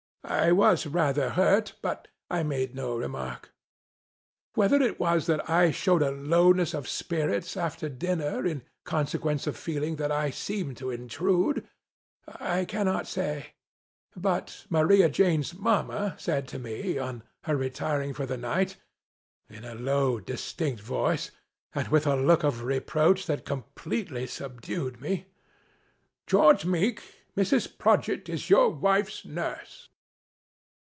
I was rather hurt, but I made no remark. Whether it was that I showed a lowness of spirits after dinner, in consequence of feeling that I seemed to intrude, I cannot say. But, Maria Jane's Mama said to me on her retiring for the night : in a low distinct voice, and with a look of re proach that completely subdued me : "George Meek, Mrs. Prodgit is your wife's nurse